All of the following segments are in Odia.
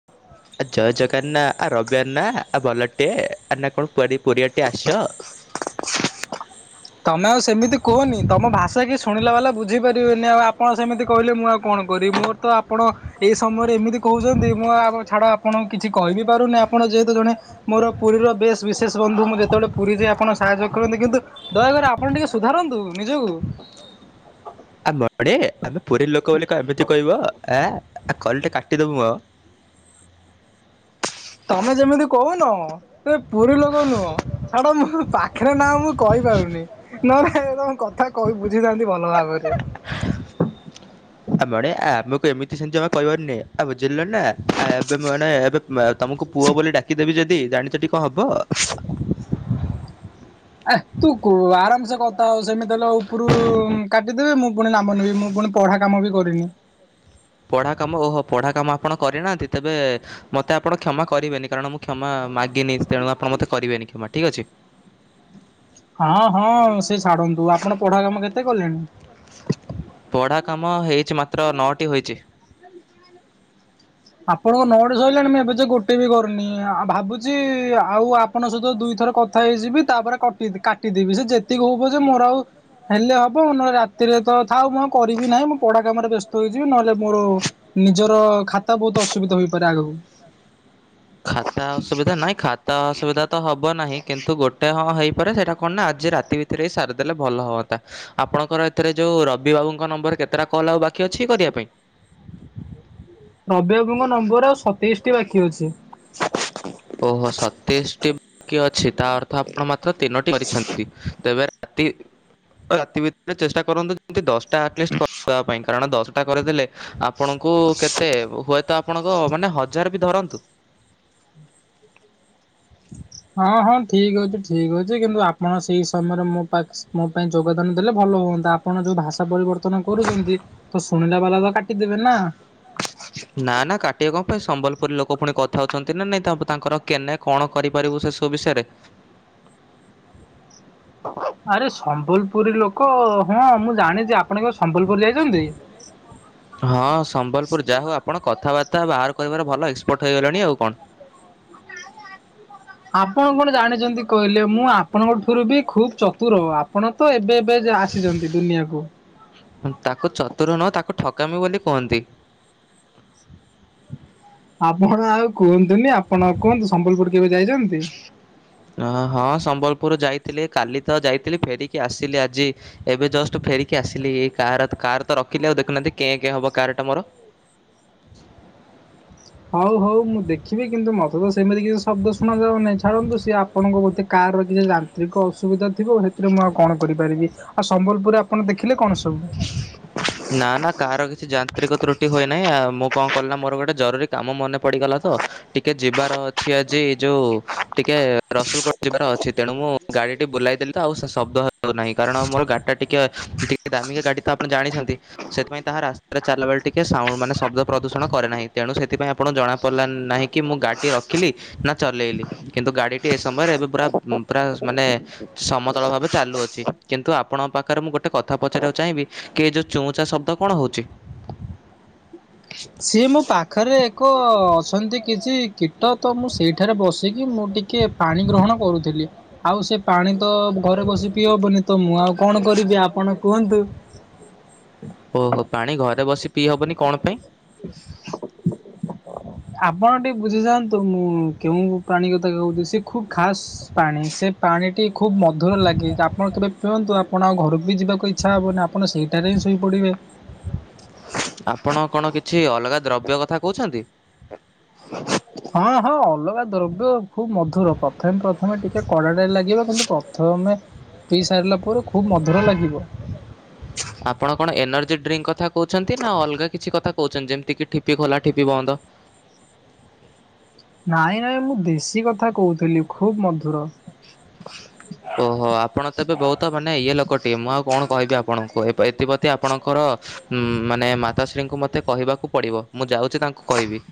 [unintelligible] ଆ ଜୟ ଜଗନ୍ ନା ଆ ରବିବାର ନା ଆ ଭଲଟି ଆର୍ ନା କଣ ପୁରୀ ପରଆଟି ଆସିଚ? ତମେ ଆଉ ସେମିତି କୁହନି ତମ ଭାଷା କି ଶୁଣିଲା ବାଲା ବୁଝିପାରିବେନି ଆଉ ଆପଣ ସେମିତି କହିଲେ ମୁଁ ଆଉ କଣ କରିବି ମୋର ତ ଆପଣ ଏଇ ସମୟରେ ଏମିତି କହୁଛନ୍ତି ମୁଁ ଆ ଛାଡ ଆପଣଙ୍କୁ କିଛି କହିବି ପାରୁନି ଆପଣ ଯେହେତୁ ଜଣେ ମୋର ପୁରୀର ବେଶ ବିଶେଷ ବନ୍ଧୁ ମୁଁ ଯେତବେଳେ ପୁରୀ ଯାଏ ଆପଣ ସାହାଯ୍ୟ କରନ୍ତି କିନ୍ତୁ ଦୟାକରି ଆପଣ ଟିକେ ସୁଧାରନ୍ତୁ ନିଜକୁ ଆ ମଣି ଆମେ ପୁରୀ ଲୋକ ବୋଲି କଁ ଏମିତି କହିବ ଏଁ ଆ କରେଣ୍ଟ କାଟିଦେବୁ ମ। ତମେ ଯେମିତି କହୁନ ଏ ପୁରୀ ଲୋକ ନୁହଁ ଛାଡ ମୋ ପାଖରେ ନାହଁ ମୁଁ କହିପାରୁନି ନହେଲେ ତମ କଁ କଥା କହି ବୁଝିଥାନ୍ତି ଭଲ ଭାବରେ ଆ ମଣି ଆମକୁ ଏମିତି ସେମିତି ଯମା କହିବନି ଆଉ ବୁଝିଲ ନା ଆ ଏବେ ମଣି ଏବେ ତମକୁ ପୁଅ ବୋଲି ଡାକିଦେବି ଯଦି ଜାଣିଚ ଟି କଁ ହବ? ଏ ତୁ କୁ ଆରାମସେ କଥା ଆଉ ସେମିତି ହେଲେ ଉପୁରୁ କାଟିଦେବେ ମୁଁ ପୁଣି ନାମ ନେବି ମୁଁ ପୁଣି ପଢା କାମ ବି କରିନି। ପଢ଼ା କାମ ଓହୋ ପଢ଼ା କାମ ଆପଣ କରିନାହାଁନ୍ତି ତେବେ ମୋତେ ଆପଣ କ୍ଷମା କରିବେନି କାରଣ ମୁଁ କ୍ଷମା ମାଗିନି ତେଣୁ ଆପଣ ମୋତେ କରିବେନି କ୍ଷମା ଠିକ୍ ଅଛି ହଁ ହଁ ସେ ଛାଡନ୍ତୁ ଆପଣ ପଢା କାମ କେତେ କଲେଣି? ପଢ଼ା କାମ ହେଇଚି ମାତ୍ର ନଅଟି ହୋଇଚି। ଆପଣଙ୍କ ନୋଟ୍ ସଇଲାଣି ମୁଁ ଏବେ ଯାଏ ଗୋଟେ ବି କରିନି ଆଉ ଭାବୁଚି ଆଉ ଆପ୍ ଆପଣଙ୍କ ସହିତ ଦୁଇଥର କଥା ହେଇଯିବି ତାପରେ କଟି କାଟିଦେବି ସେ ଯେତିକି ହବ ପଛେ ମୋର ଆଉ ହେଲେ ହବ ନହେଲେ ରାତିରେ ତ ଥାଉ ମୁଁ କରିବି ନାହିଁ ମୁଁ ପଢା କାମରେ ବ୍ୟସ୍ତ ହେଇଯିବି ନହେଲେ ମୋର ନିଜର ଖାତା ବହୁତ ଅସୁବିଧ ହେଇପାରେ ଆଗକୁ ଖାତା ଅସୁବିଧା ନାହିଁ ଖା ତ ଅସୁବିଧା ତ ହବ ନାହିଁ କିନ୍ତୁ ଗୋଟେ ହଁ ହେଇପାରେ ସେଇଟା କଣ ନା ଆଜି ରାତି ଭିତରେ ହି ସାରିଦେଲେ ଭଲ ହୁଅନ୍ତା। ଆପଣଙ୍କର ଏଥିରେ ଯୋଉ ରବି ବାବୁଙ୍କ ନମ୍ବର କେତେଟା କଲ୍ ଆଉ ବାକି ଅଛି କରିବା ପାଇଁ? ରବି ବାବୁଙ୍କ ନମ୍ବର ଆଉ ସତେଇଶ ଟି ବାକି ଅଛି। ଓହୋ ସତେଇଶି ଟି କି ଅଛି ତା ଅର୍ଥ ଆପଣ ମାତ୍ର ତିନୋଟି କରିଛନ୍ତି ତେବେ ପାତି ରାତି ଭିତରେ ଚେଷ୍ଟା କରନ୍ତୁ ଯେମିତି ଦଶଟାଆଟିଲିଷ୍ଟି କରିବା ପାଇଁ କାରଣ ଦଶଟା କରେଇଦେଲେ ଆପଣଙ୍କୁ କେତେ ହୁଏତ ଆପଣଙ୍କ ମାନେ ହଜାର ବି ଧରନ୍ତୁ ହଁ ହଁ ଠିକ୍ ଅଛି ଠିକ୍ ଅଛି କିନ୍ତୁ ଆପଣ ସେଇ ସମୟରେ ମୋ ପା ମୋ ପାଇଁ ଯୋଗଦାନ ଦେଲେ ଭଲ ହୁଅନ୍ତା। ଆପଣ ଯୋଉ ଭାଷା ପରିବର୍ତ୍ତନ କରୁଛନ୍ତି ତ ଶୁଣିଲା ବାଲା ତ କାଟିଦେବେ ନା। ନା ନା କାଟି କଣ ପାଇଁ ସମ୍ବଲପୁରୀ ଲୋକ ପୁଣି କଥା ହଉଛନ୍ତି ନା ନାଇଁ ତାଙ୍କର କେନେ କଣ କରିପାରିବୁ ସେ ସବୁ ବିଷୟରେ? ଆରେ ସମ୍ବଲପୁରୀ ଲୋକ ହଁ ମୁଁ ଜାଣିଚି ଆପଣ କଁ ସମ୍ବଲପୁରୀ ଯାଇଛନ୍ତି? ହଁ ସମ୍ବଲପୁର ଯାହା ହଉ ଆପଣ କଥାବାର୍ତ୍ତା ବାହାର କହିବାର ଭଲ ଏକ୍ସପର୍ଟ ହେଇଗଲଣି ଆଉ କଣ। ଆପଣ କଣ ଜାଣିଛନ୍ତି କହିଲେ ମୁଁ ଆପଣଙ୍କ ଠାରୁ ବି ଖୁବ ଚତୁର ଆପଣ ତ ଏବେ ଏବେ ଆସିଛନ୍ତି ଦୁନିଆକୁ। ତାକୁ ଚତୁର ନୁହଁ ତାକୁ ଠକାମି ବୋଲି କୁହନ୍ତି। ଆପଣ ଆଉ କୁହନ୍ତୁନି ଆପଣ କୁହନ୍ତୁ ସମ୍ବଲପୁର କେବେ ଯାଇଛନ୍ତି? ହଁ ସମ୍ବଲପୁର ଯାଇଥିଲି କାଲି ତ ଯାଇଥିଲି ଫେରିକି ଆସିଲି ଆଜି। ଏବେ ଜଷ୍ଟ ଫେରିକି ଆସିଲି କାର କାର ତ ରଖିଲି ଆଉ ଦେଖୁନାହାନ୍ତି କେ କେ ହବ କାର ଟା ମୋର। ହଉ ହଉ ମୁଁ ଦେଖିବି କିନ୍ତୁ ମତେ ତ ସେମିତି କିଛି ଶବ୍ଦ ଶୁଣ ଯାଉନହିଁ ଛାଡନ୍ତୁ ସିଏ ଆପଣଙ୍କ ବୋଧେ କାର ର କିଛି ଯାନ୍ତ୍ରିକ ଅସୁବିଧା ଥିବ ସେଥିରେ ମୁଁ ଆଉ କଣ କରିପାରିବି। ଆଉ ସମ୍ବଲପୁରରେ ଆପଣ ଦେଖିଲେ କଣ ସବୁ? ନା ନା କାହାର କିଛି ଯାନ୍ତ୍ରିକ ତ୍ରୁଟି ହୋଇନାହିଁ ଆ ମୁଁ କଣ କଲି ମୋର ଗୋଟେ ଜରୁରୀ କାମ ମନେ ପଡିଗଲା ତ ଟିକେ ଯିବାର ଅଛି ଆଜି ଯୋଉ ଟିକେ ରସୁଲଗୋଡ ଯିବାର ଅ ଅଛି ତେଣୁ ମୁଁ ଗାଡିଟି ବୁଲେଇଦେଲି ତ ଆଉ ଶବ୍ଦ ହଉହିଁ କାରଣ ମୋର ଗାଡି ଟା ଟିକେ ଦାମିକା ଗାଡି ତ ଆପଣ ଜାଣିଛନ୍ତି। ସେଥିପାଇଁ ତାହା ରାସ୍ତାରେ ଚାଲା ବେଳେ ଟିକେ ସାଣ୍ଡ ମାନେ ଶବ୍ଦ ପ୍ରଦୂଷଣ କରେ ନାହିଁ ତେଣୁ ସେଥିପାଇଁ ଆପଣ ଜଣାପଲା ନାହିଁ। କି ମୁଁ ଗାଡିଟି ରଖିଲି ନା ଚଲେଇଲି କିନ୍ତୁ ଗାଡିଟି ଏ ସମୟରେ ଏବେ ପୁରା ପୁରା ମାନେ ସମତଳ ଭାବେ ଚାଲୁଅଛି କିନ୍ତୁ ଆପଣଙ୍କ ପାଖରେ ମୁଁ ଗୋଟେ କଥା ପଚାରିବାକୁ ଚାହିଁବି କି ଏ ଯେଉଁ ଚୁଁ ଚା ଶବ୍ଦ କଣ ହେଉଚି? ସିଏ ମୋ ପାଖରେ ଏକ ଅଛନ୍ତି କିଛି କୀଟ ତ ମୁଁ ସେଇଠାରେ ବସିକି ମୁଁ ଟିକେ ପାଣି ଗ୍ରହଣ କରୁଥିଲି। ଆଉ ସେ ପାଣି ତ ଘରେ ବସି ପିଇ ହବନି ତ ମୁଁ ଆଉ କଣ କରିବି ଆପଣ କୁହନ୍ତୁ? ଓହୋ ପାଣି ଘରେ ବସି ପିଇ ହବନି କଣ ପାଇଁ? ଆପଣ ଟିକେ ବୁଝିଯାଆନ୍ତୁ ମୁଁ କେଉ ପ୍ରାଣୀ କଥା କହୁଛି ସିଏ ଖୁବ ଖାସ୍ ପାଣି ସେ ପାଣିଟି ଖୁବ ମଧୁର ଲାଗେ ଆପଣ କେବେ ପିଅନ୍ତୁ ଆ ଆପଣ ଆଉ ଘରକୁ ବି ଯିବାକୁ ଇଚ୍ଛା ହବନି ଆପଣ ସେଇଟାରେ ହିଁ ଶୋଇପଡ଼ିବେ। ଆପଣ କଣ କିଛି ଅଲଗା ଦ୍ରବ୍ୟ କଥା କହୁଛନ୍ତି? ହଁ ହଁ ଅଲଗା ଦ୍ରବ୍ୟ ଖୁବ ମଧୁର ପ୍ରଥମେ ପ୍ରଥମେ ଟିକେ କଡାଟାରେ ଲାଗିବ କିନ୍ତୁ ପ୍ରଥମେ ପି ସାରିଲା ପରେ ଖୁବ୍ ମଧୁର ଲାଗିବ। ଆପଣ କଣ ଏନର୍ଜି ଡ୍ରିଙ୍କ କଥା କହୁଛନ୍ତି ନା ଅଲଗା କିଛି କଥା କହୁଛନ୍ତି ଯେମିତି କି ଠିପି ଖୋଲା ଠିପି ବନ୍ଦ। ନାଇଁ ନାଇଁ ମୁଁ ଦେଶୀ କଥା କହୁଥିଲି ଖୁବ୍ ମଧୁର। ଓହୋ ଆପଣ ତେବେ ବହୁତ ମାନେ ଇଏ ଲୋକଟିଏ ମୁଁ ଆଉ କଣ କହିବି ଆପଣଙ୍କୁ ଏଥିପ୍ରତି ଆପଣଙ୍କର ଉଁ ମାନେ ମାତାଶ୍ରୀଙ୍କୁ ମତେ କହିବାକୁ ପଡିବ ମୁଁ ଯାଉଚି ତାଙ୍କୁ କହିବି।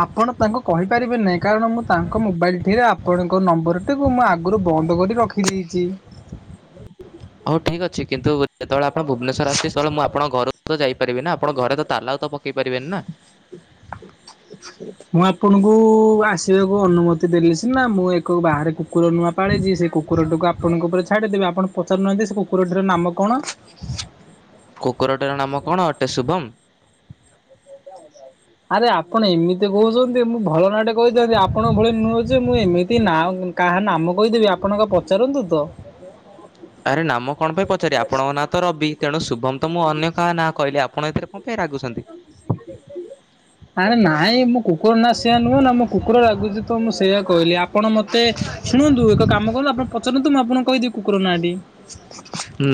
ଆପଣ ତାଙ୍କୁ କହିପାରିବେ ନାହିଁ କାରଣ ମୁଁ ତାଙ୍କ ମୋବାଇଲ ଟିରେ ଆପଣଙ୍କ ନମ୍ବରଟିକୁ ମୁଁ ଆଗରୁ ବନ୍ଦ କରି ର [unintelligible] ହଉ ଠିକ୍ ଅଛି କିନ୍ତୁ ଯେତେବେଳେ ଆପଣ ଭୁବନେଶ୍ୱର ଆସିବେ ସେତେବେଳେ ମୁଁ ଆପଣ ଘର ତ ଯାଇପାରି ନା ଆପଣ ଘରେ ତ ତାଲା ଆଉ ତ ପକେଇ ପାରିବେନି ନା। ମୁଁ ଆପଣଙ୍କୁ ଆସିବାକୁ ଅନୁମତି ଦେଲେ ସିନା ମୁଁ ଏକ ବାହାରକୁ କୁକୁର ନୂଆ ପାଳିଚି ସେ କୁକୁରଟିକୁ ଆପଣଙ୍କ ଉପରେ ଛାଡ଼ିଦେବେ ଆପଣ ପଚାରୁନାହାନ୍ତି ସେ କୁକୁର ଟିର ନାମ କଣ? [unintelligible] କୁକୁରଟିର ନାମ କଣ ଅଟେ ଶୁଭମ୍‌? [inaudible] ଆରେ ଆପଣ ଏମିତି କହୁଛନ୍ତି। ମୁଁ ଭଲ ନାଁଟେ କହିଥାନ୍ତି ଆପଣଙ୍କ ଭଳି ନୁହଁ ଯେ ମୁଁ ଏମିତି ନାଁ କାହା ନାମ କହିଦେବି ଆପଣ ଅଘ୍ ପଚାରନ୍ତୁ ତ। [unintelligible] ଆରେ ନାମ କଣ ପାଇଁ ପଚାରିବି ଆପଣଙ୍କ ନାଁତ ରବି ତେଣୁ ଶୁଭମତ ମୁଁ ଅନ୍ୟ କାହାନାଁ କହିଲି ଆପଣ ଏଥିରେ କଣ ପାଇଁ ରାଗୁଚନ୍ତି? [inaudible] ଆରେ ନାଇଁ ମୋ କୁକୁରନା ସେଇଆ ନୁହଁନା ମୋ କୁକୁର ରାଗୁଚିତ ମୁଁ ସେଇଆ କହିଲି ଆପଣ ମତେ ଶୁଣନ୍ତୁ ଏକ କାମ କରନ୍ତୁ ଆପଣ ପଚାରନ୍ତୁ ମୁଁ ଆପଣଙ୍କୁ କହିଦେବି କୁକୁର ନାଁଟି।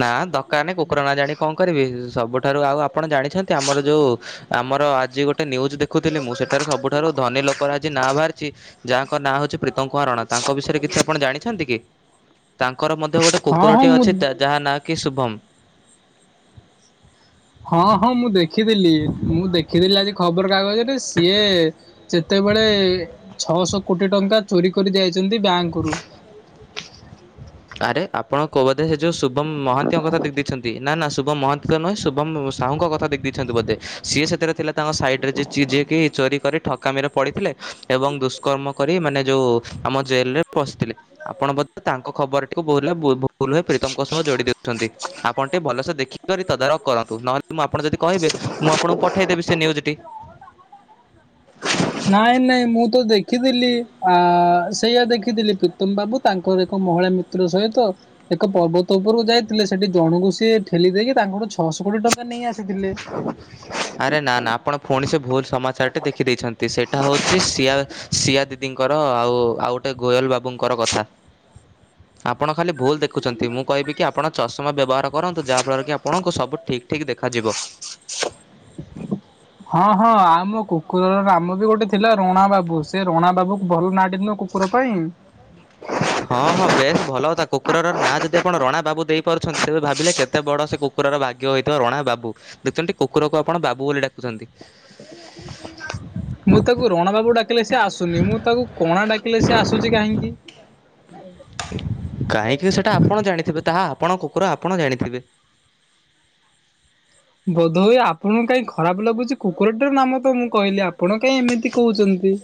ନା ଦରକାର୍ ନାଇଁ କୁକୁର ନାଜାଣି କଁ କରିବି ସବୁଠାରୁ ଆଉ ଆପଣ ଜାଣିଛନ୍ତି ଆମର ଯୋଉ ଆମର ଆଜି ଗୋଟେ ନ୍ୟୁଜ୍ ଦେଖୁଥିଲି ମୁଁ ସେଠାରେ ସବୁଠାରୁ ଧନୀ ଲୋକର ଆଜି ନାଁ ବାହାରିଚି ଯାହାଙ୍କ ନାଁ ହଉଚି ପ୍ରୀତମ୍ କୁମାର ରଣା ତାଙ୍କ ବିଷୟରେ କିଛି ଆପଣ ଜାଣିଛନ୍ତି କି? ତାଙ୍କର ମଧ୍ୟ ଗୋଟେ ହଁ ହଁ କୁକୁରଟି ଅଛି ମୁଁ ତା ଯାହାନାଁକି ଶୁଭମ୍ ହଁ ହଁ ମୁଁ ଦେଖିଥିଲି ମୁଁ ଦେଖିଥିଲି ଆଜି ଖବର କାଗଜରେ ସିଏ ଯେତେବେଳେ ଛଅଶହ କୋଟି ଟଙ୍କା ଚୋରି କରି ଯାଇଚନ୍ତି ବ୍ୟାଙ୍କରୁୁ [inaudible] ଆରେ ଆପଣ କୋଉ ବୋଧେ ସେଯଉ ଶୁଭମ୍ ମହାନ୍ତିଙ୍କ କଥା ଦେଖି ଦେଇଛନ୍ତି। ନା ନା ଶୁଭମ୍ ମହାନ୍ତିଙ୍କ ନୁହେଁ। ଶୁଭମ୍ ସାହୁଙ୍କ କଥା ଦେଖି ଦେଇଛନ୍ତି ବୋଧେ ସିଏ ସେଥିରେ ଥିଲା ତାଙ୍କ ସାଇଡ଼୍‌ରେ ଯିଏ ଯିଏକି ଚୋରି କରି ଠକାମିରେ ପଡ଼ିଥିଲେ ଏବଂ ଦୁଷ୍କର୍ମ କରି ମାନେ ଯୋଉ ଆମ ଜେଲରେ ପସିଥିଲେ ଆପଣ ବୋଧେ ତାଙ୍କ ଖବରଟିକୁ ଭୁଲରେ ବୁ ଭୁଲ୍ ରେ ପ୍ରୀତମ୍‌ଙ୍କ ସହ ଯୋଡ଼ି ଦେଉଛନ୍ତି ଆପଣ ଟିକେ ଭଲସେ ଦେଖିକରି ତଦାରଖ କରନ୍ତୁ ନହେଲେ ମୁଁ ଆପଣ ଯଦି କହିବେ ମୁଁ ଆପଣଙ୍କୁ ପଠେଇଦେବି ସେ ନ୍ୟୁଜଟି? ନାଇଁ ନାଇଁ ମୁଁତ ଦେଖିଥିଲି ଆ ସେଇଆ ଦେଖିଥିଲି ଉତ୍ତମ ବାବୁ ତାଙ୍କର ଏକ ମହିଳା ମିତ୍ର ସହିତ ଏକ ପର୍ବତ ଉପରକୁ ଯାଇଥିଲେ ସେଠି ଜଣଙ୍କୁ ସିଏ ଠେଲି ଦେଇକି ତାଙ୍କଠୁ ଛଅଶହ କୋଟି ଟଙ୍କା ନେଇ ଆସିଥିଲେ। ଆରେ ନା ନା ଆପଣ ଫୁଣିସେ ଭୁଲ୍ ସମାଚାରଟି ଦେଖିଦେଇଛନ୍ତି ସେଇଟା ହଉଚି ସିଆ ସିଆ ଦିଦିଙ୍କର ଆଉ ଆଉ ଗୋଟେ ଗୋୟଲ ବାବୁଙ୍କର କଥା। [inaudible] ଆପଣ ଖାଲି ଭୁଲ୍ ଦେଖୁଛନ୍ତି ମୁଁ କହିବିକି ଆପଣ ଚଷମା ବ୍ୟବହାର କରନ୍ତୁ ଯାହାଫଳରେକି ଆପଣଙ୍କୁ ସବୁ ଠିକ୍ ଠିକ୍ ଦେଖାଯିବ। [inaudible] ହଁ ହଁ ଆମ କୁକୁରର ନାମବି ଗୋଟେ ଥିଲା ରଣା ବାବୁ ସେରଣା ବାବୁକୁ ଭଲ ନାଁଟି ନୁହଁ କୁ କୁକୁର ପାଇଁ ହଁ ହଁ ବେଶ୍ ଭଲ କଥା କୁକୁରର ନାଁ ଯଦି ଆପଣ ରଣା ବାବୁ ଦେଇପାରୁଛନ୍ତି ତେବେ ଭାବିଲେ କେତେ ବଡ଼ ସେ କୁ କୁକୁରର ଭାଗ୍ୟ ହୋଇଥିବ ରଣା ବାବୁ ଦେଖୁଚନ୍ତି କୁକୁରକୁ ଆପଣ ବାବୁ ବୋଲି ଡାକୁଛନ୍ତି। [unintelligible] ମୁତାକୁ ରଣା ବାବୁ ଡାକିଲେ ସେ ଆସୁନି ମୁଁ ତାକୁ କଣା ଡାକିଲେ ସେଆସୁଚି କାହିଁକି? କାହିଁକି ସେଟା ଆପଣ ଜାଣିଥିବେ ତାହା ଆପଣ କୁକୁର ଆପଣ ଜାଣିଥିବେ। ବୋଧ ହୋଇ ଆପଣଙ୍କୁ କାଇଁ ଖରାପ୍ ଲାଗୁଚି କୁକୁରଟିର ନାମତ ମୁଁ କହିଲି ଆପଣ କାଇଁ ଏମିତି କହୁଚନ୍ତି? [inaudible]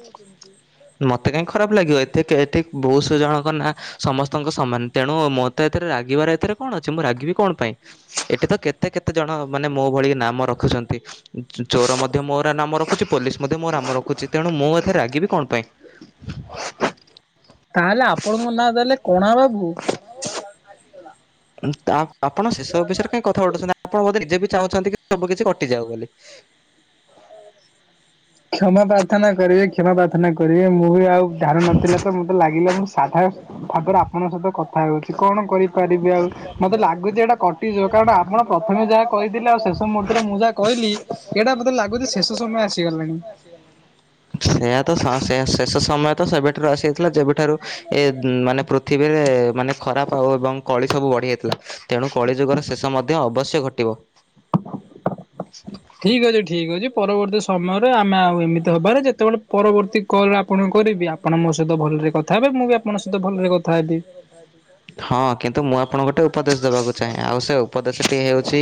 ମତେ କାହିଁ ଖରାପ୍ ଲାଗିବ ଏତେ ଏଠି ବହୁଶ ଜଣଙ୍କ ନା ସମସ୍ତଙ୍କ ସମାନ ତେଣୁ ମୋରତ ଏଥିରେ ରାଗିବାର ଏଥିରେ କଣ ଅଛି ମୁଁ ରାଗିବି କଣ ପାଇଁ? ଏଠିତ କେତେ କେତେ ଜଣ ମାନେ ମୋଭଳି ନାମ ରଖୁଚନ୍ତି। ଚୋ ଚୋର ମଧ୍ୟ ମୋର ନାମ ରଖୁଚି ପୋଲିସ୍ ମଧ୍ୟ ମୋ ରାମ ର ହୁଚି ତେଣୁ ମୁଁ ଏଥିରେ ରାଗିବି କଣ ପାଇଁ? ତାହେଲେ ଆପଣଙ୍କନାଁ ତାହେଲେ କଣା ବାବୁ। ତା ଆପଣ ସେସବୁ ବିଷୟରେ କାହିଁକି କଥା ଉଠଉଚନ୍ତି ଆ ଆପଣ ବୋଧେ ନିଜେବି ଚାହୁଁଚନ୍ତିକି ସବୁ କିଛି କଟିଯାଉ ବୋଲି। କ୍ଷମା ପା ପ୍ରାର୍ଥନା କରିବେ କ୍ଷମା ପ୍ରାର୍ଥନା କରିବେ ମୁଁ ବି ଆଉ ଧାରଣ ନଥିଲା ତ ମତେ ଲାଗିଲା ମୁଁ ସାଧା ଭାବରେ ଆ ପଣ ସହିତ କଥା ହଉଛି। କଣ କରିପାରିବେ ଆଉ ମତେ ଲାଗୁଛି ଏଇଟା କଟିଯିବ କାରଣ ଆମ ପ୍ରଥମେ ଯାହା କହିଥିଲି ଆଉ ଶେଷ ମୁହୂର୍ତ୍ତରେ ମୁଁ ଯାହା କହିଲି ଏଇଟା ମୋତେ ଲାଗୁଛି ଶେଷ ସମୟ ଆସିଗଲାଣି। ସେଇଆ ତ ସ ସେ ଶେଷ ସମୟ ତ ସେବେଠାରୁ ଆସିଯାଇଥିଲା ଯେବେଠାରୁ ଏ ମାନେ ପୃଥିବୀରେ ମାନେ ଖରାପ ଆଉ ଏବଂ କଳି ସବୁ ବଢ଼ିଯାଇଥିଲା। ତେଣୁ କଳି ଯୁଗର ଶେଷ ମଧ୍ୟ ଅବଶ୍ୟ ଘଟିବ। ଠିକ ଅଛି ଠିକ୍ ଅଛି ପରବର୍ତ୍ତୀ ସମୟରେ ଆମେ ଆଉ ଏମିତି ହବାରେ ଯେତେବେଳେ ପରବର୍ତ୍ତୀ କଲ୍ ଆପଣ କରିବି ଆପଣ ମୋ ସହିତ ଭଲରେ କଥା ହେବେ ମୁଁ ବି ଆପଣଙ୍କ ସହିତ ଭଲରେ କଥା ହେବି। ହଁ କିନ୍ତୁ ମୁଁ ଆପଣଙ୍କୁ ଗୋଟେ ଉପଦେଶ ଦବାକୁ ଚାହେଁ ଆଉ ସେ ଉପଦେଶଟି ହେଉଛି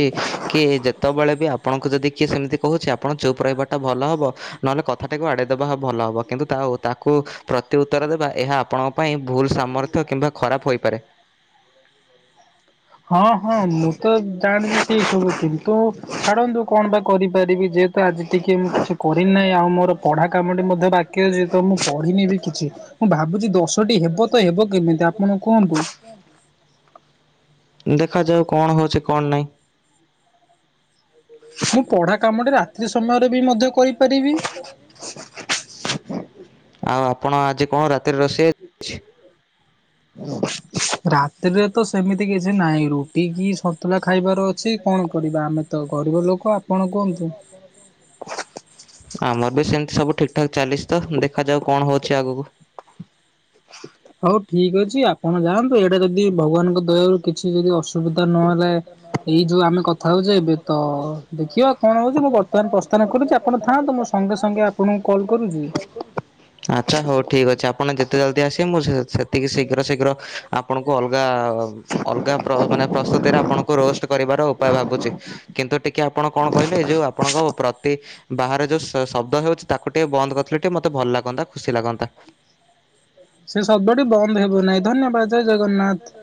କି ଯେତେବେଳେ ବି ଆପଣଙ୍କୁ ଯଦି କିଏ ସେମିତି କହୁଛି ଆପଣ ଚୁପ୍ ରହିବାଟା ଭଲ ହବ ନହେଲେ କଥାଟାକୁ ଆଡେଇ ଦେବା ଭଲ ହବ କିନ୍ତୁ ତା ତାକୁ ପ୍ରତି ଉତ୍ତର ଦେବା ଏହା ଆପଣଙ୍କ ପାଇଁ ଭୁଲ୍ ସାମର୍ଥ୍ୟ କିମ୍ବା ଖରାପ ହୋଇପାରେ। ହଁ ହଁ ମୁଁ ତ ଜାଣିଛି ସବୁ କିନ୍ତୁ ଛାଡ଼ନ୍ତୁ କଣ ବା କରିପାରିବି ଯେହେ ତ ଆଜି ଟିକେ ମୁଁ କିଛି କରିନି ନାହିଁ ଆଉ ମୋର ପଢ଼ା କାମଟି ମଧ୍ୟ ବା କି ମୁଁ ପଢିନି ବି କିଛି ମୁଁ ଭାବୁଛି ଦଶଟି ହେବ ତ ହେବ କେମିତି ଆପଣ କୁହନ୍ତୁ। ଦେଖାଯାଉ କଣ ହଉଛି କଣ ନାହିଁ। ମୁଁ ପଢ଼ା କାମଟି ରାତ୍ରି ସମୟରେ ବି ମଧ୍ୟ କରିପାରିବି। ପାରିବି। ଆଉ ଆପଣ ଆଜି କଣ ରାତିରେ ରୋଷେଇ ହେଇଛି? ରାତିରେ ତ ସେମିତି କିଛି ନାହିଁ ରୁଟି କି ସନ୍ତୁଲା ଖାଇବାର ଅଛି। କଣ କରିବା ଆମେ ତ ଗରିବ ଲୋକ ଆପଣ କୁହନ୍ତୁ? ଆମର ବି ସେମିତି ସବୁ ଠିକ୍ ଠାକ୍ ଚାଲିଛି ତ ଦେଖାଯାଉ କଣ ହଉଛି ଆଗକୁ। [inaudible] ହଉ ଠିକ୍ ଅଛି ଆପଣ ଯାଆନ୍ତୁ ଏଇଟା ଯଦି ଭଗବାନଙ୍କ ଦୟାରୁ କିଛି ଯଦି ଅସୁବିଧା ନହେଲେ ଏଇ ଯୋଉ ଆମେ କ କଥାହଉଛି ଏବେ ତ ଦେଖିବା ଆଉ କଣ ହଉଛି ମୁଁ ବର୍ତ୍ତମାନ ପ୍ରସ୍ଥାନ କରୁଛି ଆପଣ ଥାଆନ୍ତୁ ମୁଁ ସଙ୍ଗେ ସଙ୍ଗେ ଆ ସଙ୍ଗେ ସଙ୍ଗେ ଆପଣଙ୍କୁ କଲ୍ କରୁଛି। ଆଚ୍ଛା ହଉ ଠିକ୍ ଅଛି ଆପଣ ଯେତେ ଜଲଦି ଆସିବେ ମୁଁ ସେ ସେ ଟିକେ ଶୀଘ୍ର ଶୀଘ୍ର ଆପଣଙ୍କୁ ଅଲଗା ଅଲଗା ପ ମାନେ ପ୍ରସ୍ତୁତିରେ ଆପଣଙ୍କୁ କୁ ରୋଷ୍ଟ କରିବାର ଉପାୟ ଭାବୁଛି କିନ୍ତୁ ଟିକେ ଆପଣ କଣ କହିଲେ ଏ ଯେଉ ଆପଣଙ୍କ ପ୍ରତି ବାହାରେ ଯୋଉ ଶ ଶବ୍ଦ ହଉଛି ତାକୁ ଟିକେ ବନ୍ଦ କରିଥିଲେ ଟିକେ ମତେ ଭଲ ଲାଗନ୍ତା ଖୁସି ଲାଗନ୍ତା। ସେ ଶବ୍ଦଟି ବନ୍ଦ ହେବ ନାହିଁ ଧନ୍ୟବାଦ ଜୟ ଜଗନ୍ନାଥ।